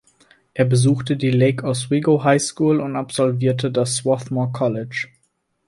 Er besuchte die Lake Oswego High School und absolvierte das Swarthmore College.